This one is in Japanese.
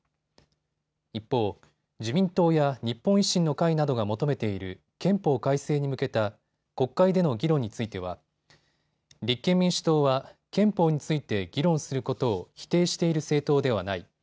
一方、自民党や日本維新の会などが求めている憲法改正に向けた国会での議論については立憲民主党は憲法について議論することを否定している政党ではない。